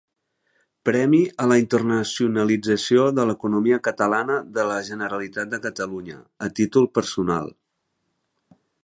Premi a la internacionalització de l'Economia Catalana de la Generalitat de Catalunya, a títol personal.